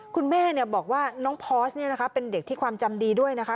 คุณแม่บอกว่าน้องพอสเป็นเด็กที่ความจำดีด้วยนะคะ